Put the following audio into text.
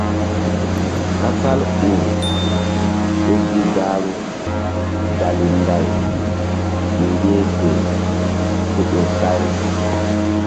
Kasal u ur ke gi gahru dali nday mi yeh fe ku ƴo say.